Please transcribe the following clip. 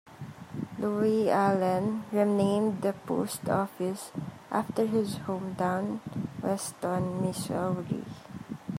Lieuallen renamed the post office after his hometown, Weston, Missouri.